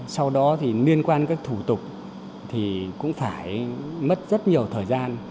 sau đó thì liên quan các thủ tục thì cũng phải mất rất nhiều thời gian